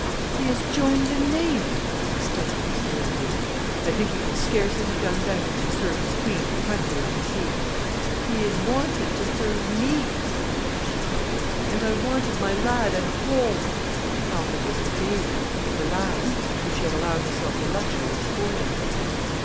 "He has joined the Navy!" exclaimed Mr Lindley. "I think he could scarcely have done better—to serve his Queen and country on the sea...." "He is wanted to serve me," she cried. "And I wanted my lad at home." Alfred was her baby, her last, whom she had allowed herself the luxury of spoiling.